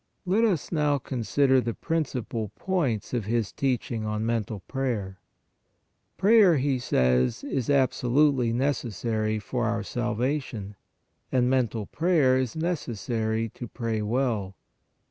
Let us now consider the principal points of his teaching on mental prayer. " Prayer," he says, " is absolutely necessary for our salvation, and mental prayer is necessary to pray well.